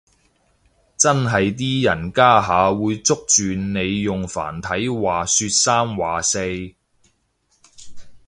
真係啲人家下會捉住你用繁體話說三話四